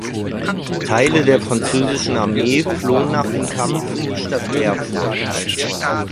Teile der französischen Armee flohen nach dem Kampf in die Stadt Erfurt.